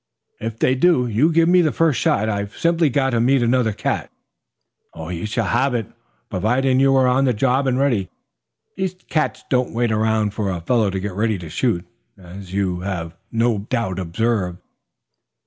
"If they do, you give me the first shot. I've simply got to meet another cat." "You shall have it, providing you are on the job and ready. These cats don't wait around for a fellow to get ready to shoot, as you have no doubt observed."